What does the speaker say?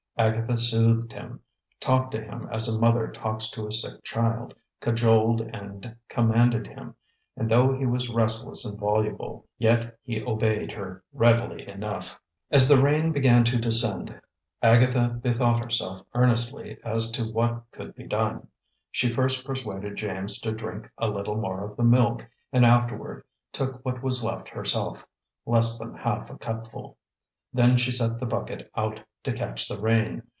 Agatha soothed him, talked to him as a mother talks to a sick child, cajoled and commanded him; and though he was restless and voluble, yet he obeyed her readily enough. As the rain began to descend, Agatha bethought herself earnestly as to what could be done. She first persuaded James to drink a little more of the milk, and afterward took what was left herself less than half a cupful. Then she set the bucket out to catch the rain.